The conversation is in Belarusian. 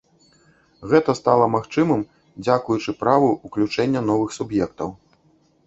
Гэта стала магчымым дзякуючы праву ўключэння новых суб'ектаў.